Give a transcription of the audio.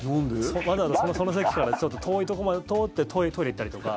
わざわざその席から遠いところまで通ってトイレ行ったりとか。